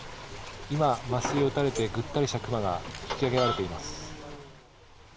今、麻酔を打たれてぐったりしたクマが引き上げられています。